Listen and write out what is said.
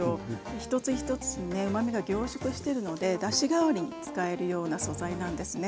一つ一つにねうまみが凝縮してるのでだし代わりに使えるような素材なんですね。